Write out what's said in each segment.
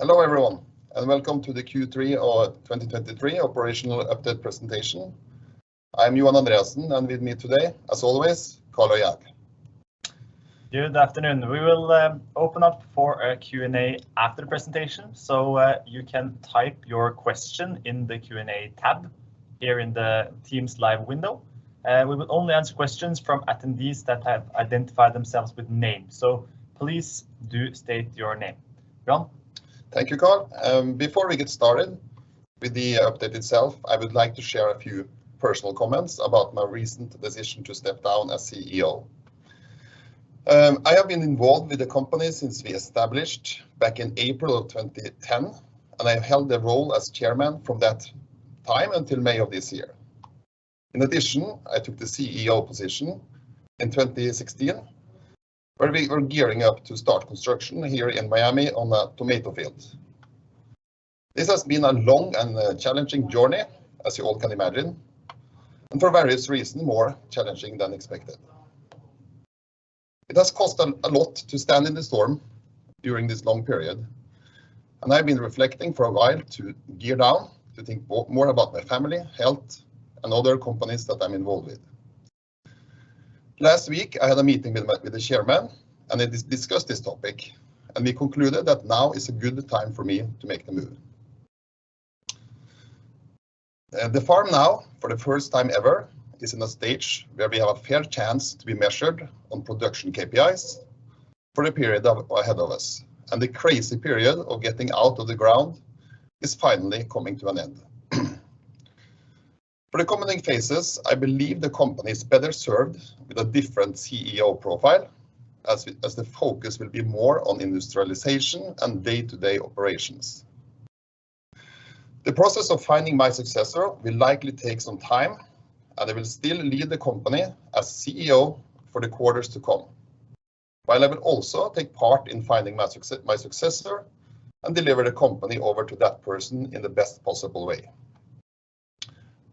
Hello, everyone, and welcome to the Q3 of 2023 Operational Update presentation. I'm Johan Andreassen, and with me today, as always, Karl Øyehaug. Good afternoon. We will open up for a Q&A after the presentation, so you can type your question in the Q&A tab here in the teams live window. We will only answer questions from attendees that have identified themselves with name, so please do state your name. Johan? Thank you, Karl. Before we get started with the update itself, I would like to share a few personal comments about my recent decision to step down as CEO. I have been involved with the company since we established back in April of 2010, and I held the role as chairman from that time until May of this year. In addition, I took the CEO position in 2016, where we were gearing up to start construction here in Miami on a tomato field. This has been a long and challenging journey, as you all can imagine, and for various reasons, more challenging than expected. It has cost a lot to stand in the storm during this long period, and I've been reflecting for a while to gear down, to think more about my family, health, and other companies that I'm involved with. Last week, I had a meeting with the chairman, and I discussed this topic, and we concluded that now is a good time for me to make the move. The farm now, for the first time ever, is in a stage where we have a fair chance to be measured on production KPIs for the period ahead of us, and the crazy period of getting out of the ground is finally coming to an end. For the coming phases, I believe the company is better served with a different CEO profile, as the focus will be more on industrialization and day-to-day operations. The process of finding my successor will likely take some time, and I will still lead the company as CEO for the quarters to come. But I will also take part in finding my successor and deliver the company over to that person in the best possible way.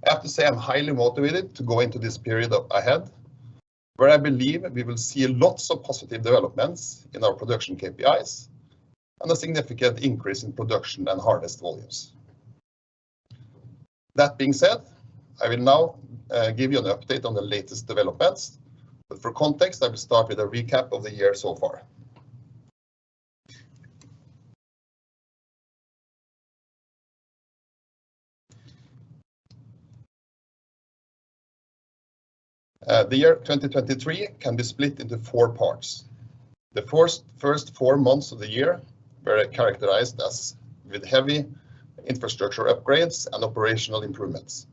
I have to say, I'm highly motivated to go into this period ahead, where I believe we will see lots of positive developments in our production KPIs and a significant increase in production and harvest volumes. That being said, I will now give you an update on the latest developments, but for context, I will start with a recap of the year so far. The year 2023 can be split into four parts. The first four months of the year were characterized with heavy infrastructure upgrades and operational improvements,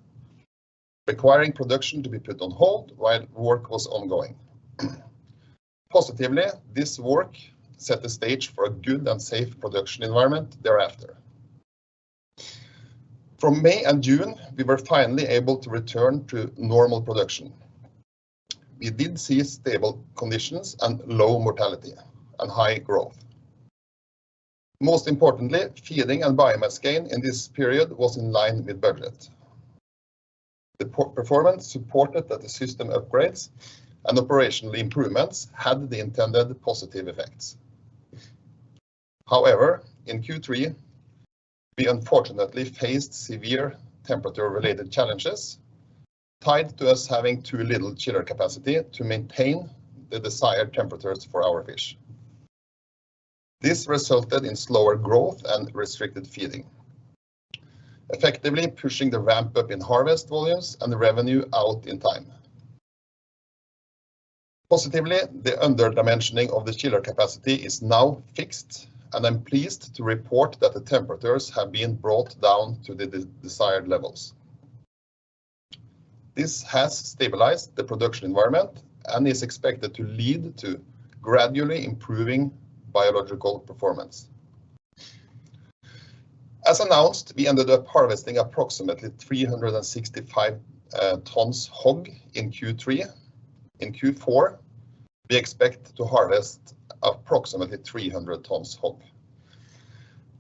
requiring production to be put on hold while work was ongoing. Positively, this work set the stage for a good and safe production environment thereafter. From May and June, we were finally able to return to normal production. We did see stable conditions and low mortality and high growth. Most importantly, feeding and biomass gain in this period was in line with budget. The per-performance supported that the system upgrades and operational improvements had the intended positive effects. However, in Q3, we unfortunately faced severe temperature-related challenges tied to us having too little chiller capacity to maintain the desired temperatures for our fish. This resulted in slower growth and restricted feeding, effectively pushing the ramp up in harvest volumes and the revenue out in time. Positively, the under-dimensioning of the chiller capacity is now fixed, and I'm pleased to report that the temperatures have been brought down to the desired levels. This has stabilized the production environment and is expected to lead to gradually improving biological performance. As announced, we ended up harvesting approximately 365 tons HOG in Q3. In Q4, we expect to harvest approximately 300 tons HOG.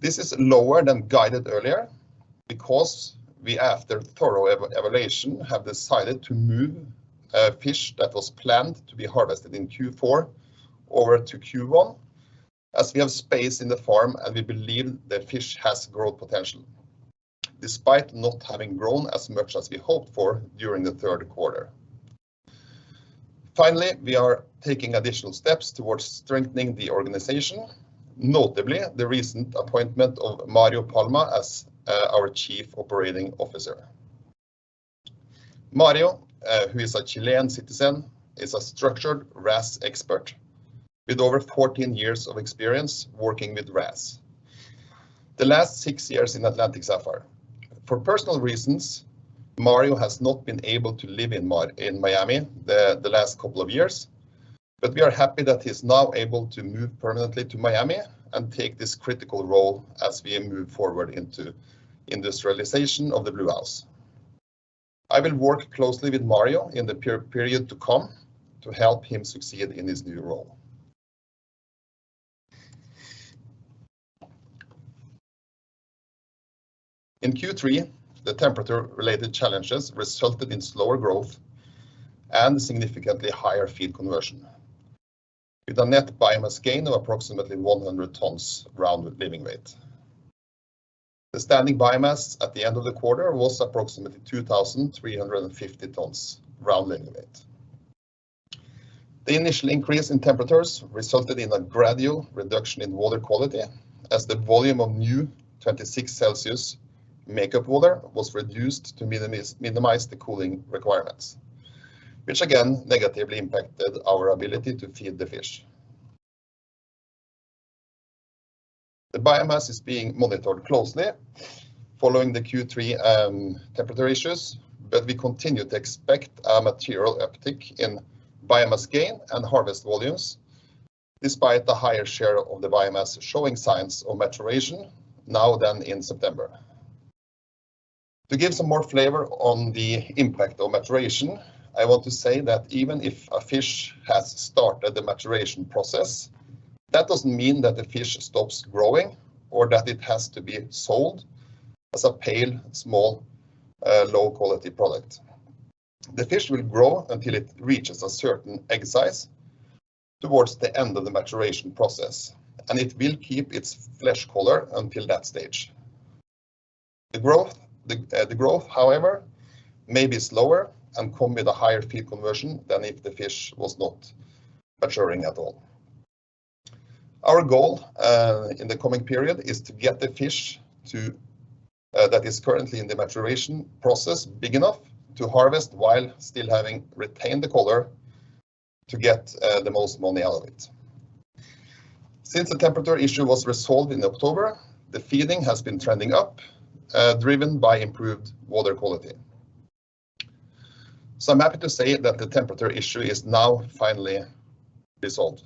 This is lower than guided earlier because we, after thorough evaluation, have decided to move fish that was planned to be harvested in Q4 over to Q1, as we have space in the farm, and we believe the fish has growth potential, despite not having grown as much as we hoped for during the third quarter. Finally, we are taking additional steps towards strengthening the organization, notably, the recent appointment of Mario Palma as our Chief Operating Officer. Mario, who is a Chilean citizen, is a structured RAS expert, with over 14 years of experience working with RAS. The last six years in Atlantic Sapphire. For personal reasons, Mario has not been able to live in Miami for the last couple of years, but we are happy that he's now able to move permanently to Miami and take this critical role as we move forward into industrialization of the Bluehouse. I will work closely with Mario in the period to come to help him succeed in his new role. In Q3, the temperature-related challenges resulted in slower growth and significantly higher feed conversion, with a net biomass gain of approximately 100 tons round living weight. The standing biomass at the end of the quarter was approximately 2,350 tons round living weight. The initial increase in temperatures resulted in a gradual reduction in water quality as the volume of new 26 degrees Celsius makeup water was reduced to minimize the cooling requirements, which again, negatively impacted our ability to feed the fish. The biomass is being monitored closely following the Q3 temperature issues, but we continue to expect a material uptick in biomass gain and harvest volumes, despite the higher share of the biomass showing signs of maturation now than in September. To give some more flavor on the impact of maturation, I want to say that even if a fish has started the maturation process, that doesn't mean that the fish stops growing or that it has to be sold as a pale, small, low-quality product. The fish will grow until it reaches a certain egg size towards the end of the maturation process, and it will keep its flesh color until that stage. The growth, however, may be slower and come with a higher feed conversion than if the fish was not maturing at all. Our goal in the coming period is to get the fish to that is currently in the maturation process, big enough to harvest while still having retained the color to get the most money out of it. Since the temperature issue was resolved in October, the feeding has been trending up, driven by improved water quality. So I'm happy to say that the temperature issue is now finally resolved.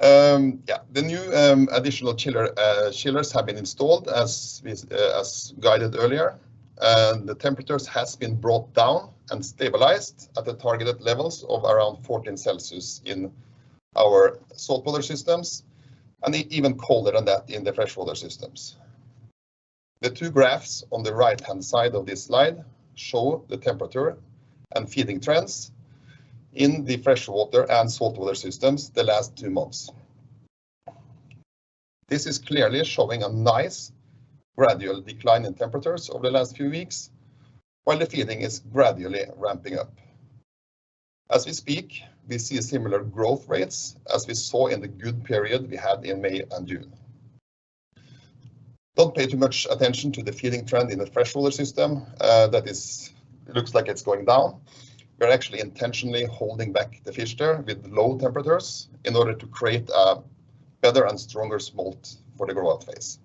Yeah, the new, additional chiller, chillers have been installed as is, as guided earlier, and the temperatures has been brought down and stabilized at the targeted levels of around 14 degrees Celsius in our salt water systems, and even colder than that in the fresh water systems. The two graphs on the right-hand side of this slide show the temperature and feeding trends in the fresh water and salt water systems the last two months. This is clearly showing a nice gradual decline in temperatures over the last few weeks, while the feeding is gradually ramping up. As we speak, we see similar growth rates as we saw in the good period we had in May and June. Don't pay too much attention to the feeding trend in the fresh water system, that is, looks like it's going down. We're actually intentionally holding back the fish there with low temperatures in order to create a better and stronger smolt for the growth phase.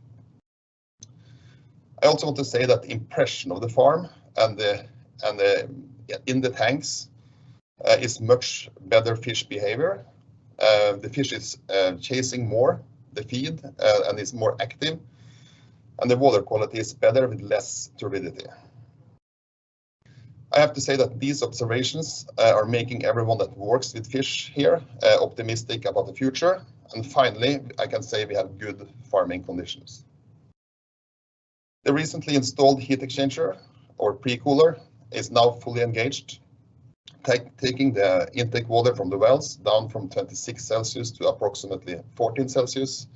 I also want to say that the impression of the farm and the tanks is much better fish behavior. The fish is chasing more the feed and is more active, and the water quality is better with less turbidity. I have to say that these observations are making everyone that works with fish here optimistic about the future. And finally, I can say we have good farming conditions. The recently installed heat exchanger or pre-cooler is now fully engaged, taking the intake water from the wells down from 26 degrees Celsius to approximately 14 degrees Celsius,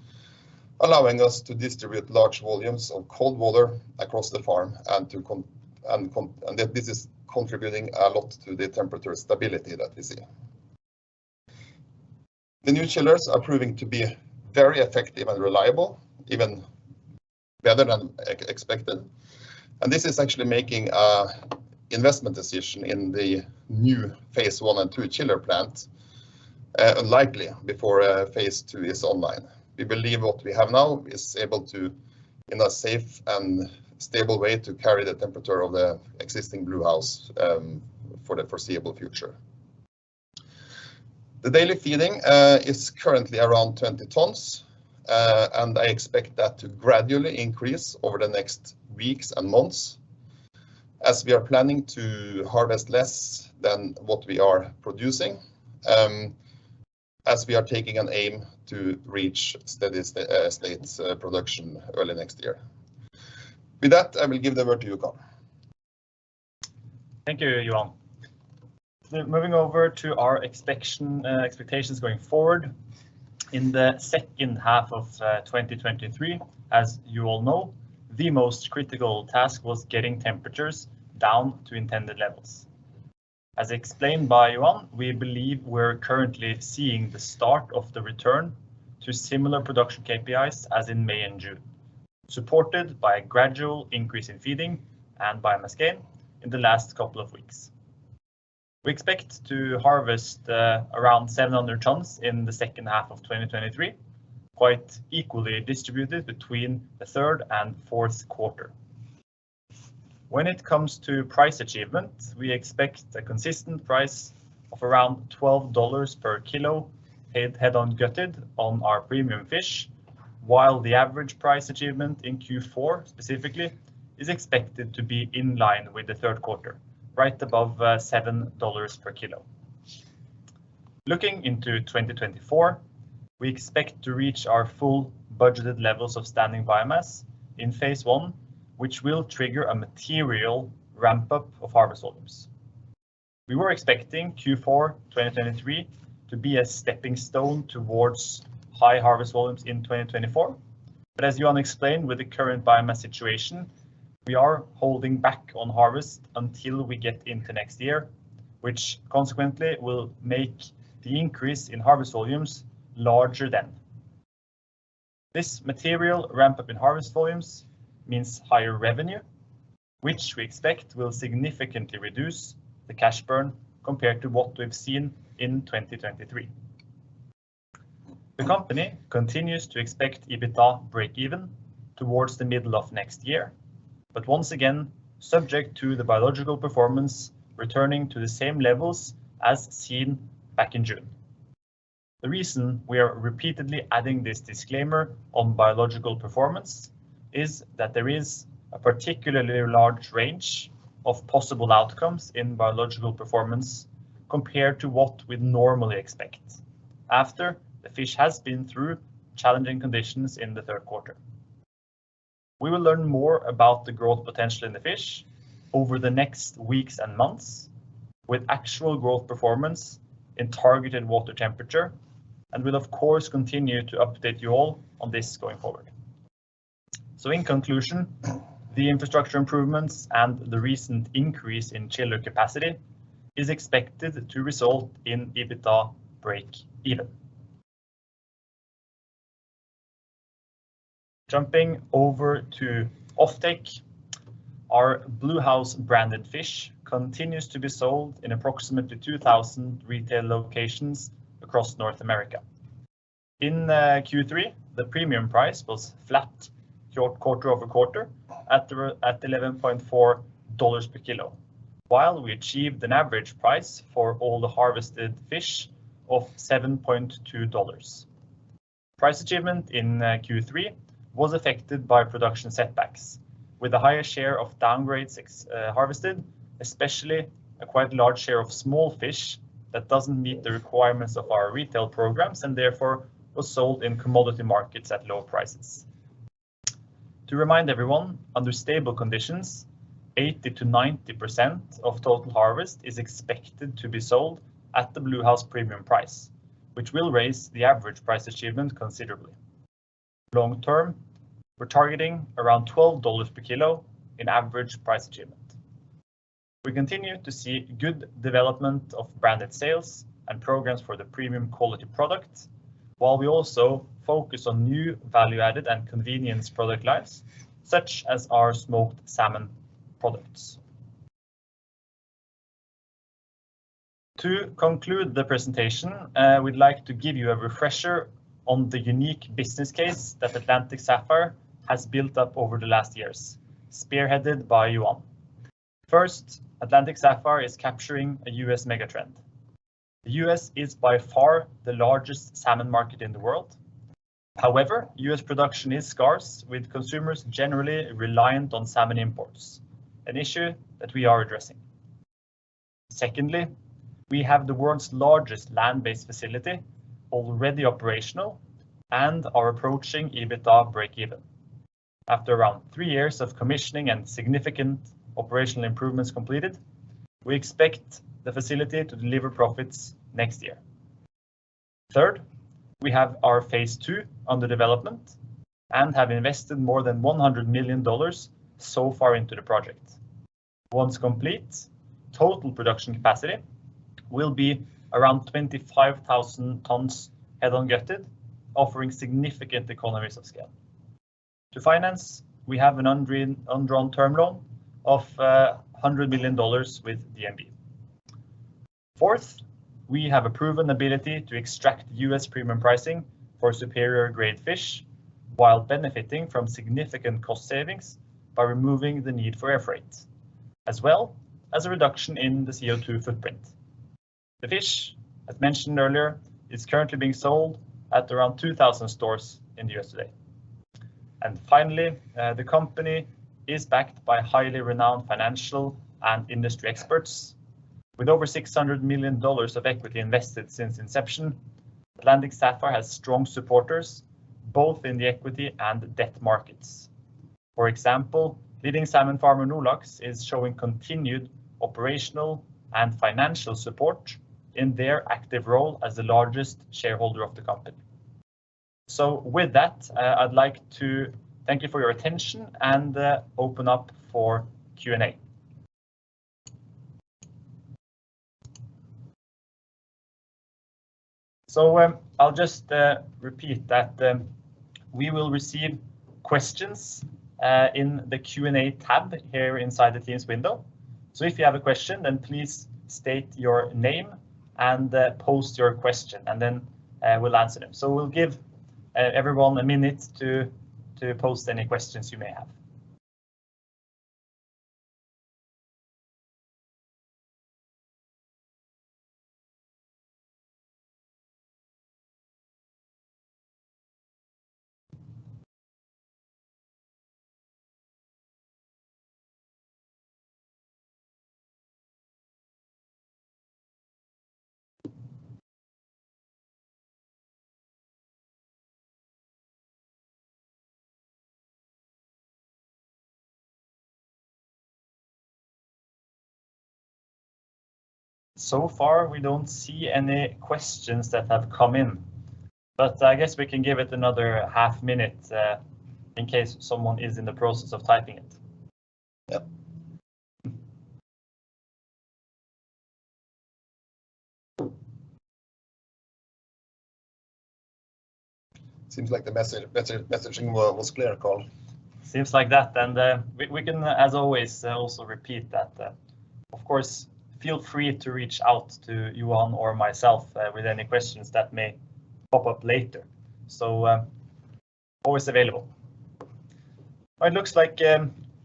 allowing us to distribute large volumes of cold water across the farm, and to con... And this is contributing a lot to the temperature stability that we see. The new chillers are proving to be very effective and reliable, even better than expected, and this is actually making an investment decision in the new phase one and two chiller plant likely before phase two is online. We believe what we have now is able to, in a safe and stable way, to carry the temperature of the existing Bluehouse for the foreseeable future. The daily feeding is currently around 20 tons, and I expect that to gradually increase over the next weeks and months as we are planning to harvest less than what we are producing, as we are taking an aim to reach steady state production early next year. With that, I will give the word to you, Karl. Thank you, Johan. Moving over to our expectation, expectations going forward. In the second half of 2023, as you all know, the most critical task was getting temperatures down to intended levels. As explained by Johan, we believe we're currently seeing the start of the return to similar production KPIs as in May and June, supported by a gradual increase in feeding and biomass gain in the last couple of weeks. We expect to harvest around 700 tons in the second half of 2023, quite equally distributed between the third and fourth quarter. When it comes to price achievement, we expect a consistent price of around $12 per kilo, head-on gutted on our premium fish... while the average price achievement in Q4, specifically, is expected to be in line with the third quarter, right above $7 per kilo. Looking into 2024, we expect to reach our full budgeted levels of standing biomass in phase one, which will trigger a material ramp-up of harvest volumes. We were expecting Q4 2023 to be a stepping stone towards high harvest volumes in 2024, but as Johan explained, with the current biomass situation, we are holding back on harvest until we get into next year, which consequently will make the increase in harvest volumes larger then. This material ramp-up in harvest volumes means higher revenue, which we expect will significantly reduce the cash burn compared to what we've seen in 2023. The company continues to expect EBITDA breakeven towards the middle of next year, but once again, subject to the biological performance returning to the same levels as seen back in June. The reason we are repeatedly adding this disclaimer on biological performance is that there is a particularly large range of possible outcomes in biological performance compared to what we'd normally expect after the fish has been through challenging conditions in the third quarter. We will learn more about the growth potential in the fish over the next weeks and months, with actual growth performance in targeted water temperature, and will, of course, continue to update you all on this going forward. In conclusion, the infrastructure improvements and the recent increase in chiller capacity is expected to result in EBITDA breakeven. Jumping over to offtake, our Bluehouse branded fish continues to be sold in approximately 2,000 retail locations across North America. In Q3, the premium price was flat quarter-over-quarter, at $11.4 per kilo, while we achieved an average price for all the harvested fish of $7.2. Price achievement in Q3 was affected by production setbacks, with a higher share of downgrades ex- harvested, especially a quite large share of small fish that doesn't meet the requirements of our retail programs, and therefore was sold in commodity markets at lower prices. To remind everyone, under stable conditions, 80%-90% of total harvest is expected to be sold at the Bluehouse premium price, which will raise the average price achievement considerably. Long term, we're targeting around $12 per kilo in average price achievement. We continue to see good development of branded sales and programs for the premium quality product, while we also focus on new value-added and convenience product lines, such as our smoked salmon products. To conclude the presentation, we'd like to give you a refresher on the unique business case that Atlantic Sapphire has built up over the last years, spearheaded by Johan. First, Atlantic Sapphire is capturing a U.S. mega trend. The U.S. is by far the largest salmon market in the world. However, U.S. production is scarce, with consumers generally reliant on salmon imports, an issue that we are addressing. Secondly, we have the world's largest land-based facility already operational and are approaching EBITDA breakeven. After around three years of commissioning and significant operational improvements completed, we expect the facility to deliver profits next year. Third, we have our phase two under development and have invested more than $100 million so far into the project. Once complete, total production capacity will be around 25,000 tons head-on gutted, offering significant economies of scale. To finance, we have an undrawn term loan of $100 million with DNB. Fourth, we have a proven ability to extract U.S. premium pricing for superior grade fish, while benefiting from significant cost savings by removing the need for air freight, as well as a reduction in the CO2 footprint. The fish, as mentioned earlier, is currently being sold at around 2,000 stores in the U.S.A. And finally, the company is backed by highly renowned financial and industry experts. With over $600 million of equity invested since inception, Atlantic Sapphire has strong supporters, both in the equity and debt markets. For example, leading salmon farmer Mowi is showing continued operational and financial support in their active role as the largest shareholder of the company. So with that, I'd like to thank you for your attention and open up for Q&A. So, I'll just repeat that, we will receive questions in the Q&A tab here inside the Teams window. So if you have a question, then please state your name and post your question, and then we'll answer them. So we'll give everyone a minute to post any questions you may have. So far, we don't see any questions that have come in, but I guess we can give it another half minute in case someone is in the process of typing it. Yep. Seems like the messaging was clear, Karl. Seems like that, then, we can, as always, also repeat that, of course, feel free to reach out to Johan or myself with any questions that may pop up later. So, always available. Well, it looks like,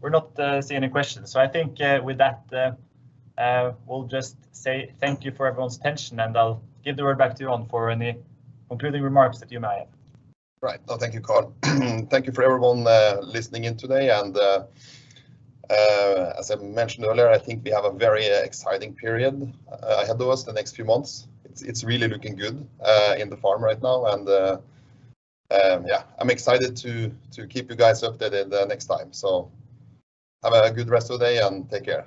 we're not seeing any questions. So I think, with that, we'll just say thank you for everyone's attention, and I'll give the word back to Johan for any concluding remarks that you may have. Right. Well, thank you, Karl. Thank you for everyone listening in today, and as I mentioned earlier, I think we have a very exciting period ahead of us the next few months. It's really looking good in the farm right now, and yeah, I'm excited to keep you guys updated the next time. So have a good rest of the day, and take care.